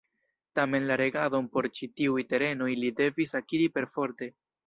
Tamen la regadon por ĉi tiuj terenoj li devis akiri perforte.